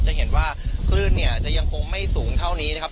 จะเห็นว่าคลื่นเนี่ยจะยังคงไม่สูงเท่านี้นะครับ